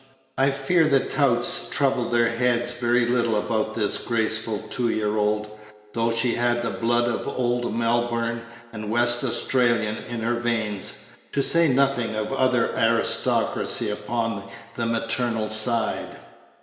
I fear the touts troubled their heads very little about this graceful two year old, though she had the blood of Old Melbourne and West Australian in her veins, to say nothing of other aristocracy upon the maternal side.